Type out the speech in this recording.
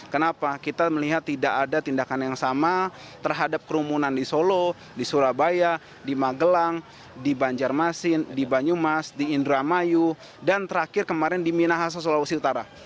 kenapa kita melihat tidak ada tindakan yang sama terhadap kerumunan di solo di surabaya di magelang di banjarmasin di banyumas di indramayu dan terakhir kemarin di minahasa sulawesi utara